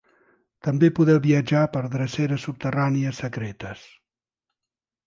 També podeu viatjar per dreceres subterrànies secretes.